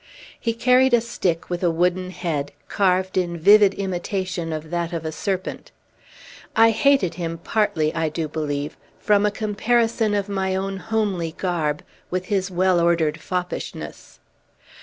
He carried a stick with a wooden head, carved in vivid imitation of that of a serpent. I hated him, partly, I do believe, from a comparison of my own homely garb with his well ordered foppishness.